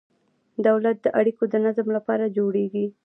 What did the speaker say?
دولت د اړیکو د نظم لپاره جوړیږي.